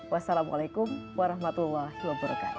wassalamualaikum warahmatullahi wabarakatuh